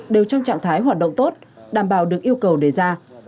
đều trong trạng thái hoạt động tốt đảm bảo được yêu cầu đề ra